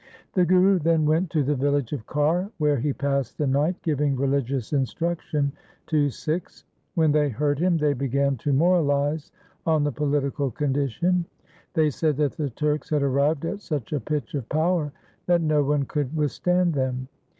The Guru then went to the village of Khar where he passed the night giving religious instruction to Sikhs. When they LIFE OF GURU TEG BAHADUR 375 heard him they began to moralize on the political condition. They said that the Turks had arrived at such a pitch of power that no one could with stand them.